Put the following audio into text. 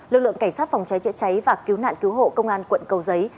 lực lượng cảnh sát phòng cháy chữa cháy và cứu nạn cứu hộ công an quận cầu giấy